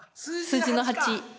数字の８か。